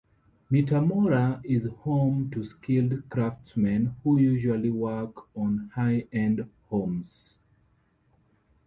Metamora is home to skilled craftsmen who usually work on high-end homes.